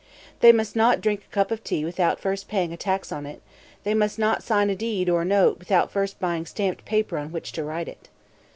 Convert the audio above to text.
They must not drink a cup of tea without first paying tax on it; they must not sign a deed or a note without first buying stamped paper on which to write it.